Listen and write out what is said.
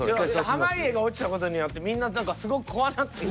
濱家が落ちた事によってみんな何かすごく怖なってない？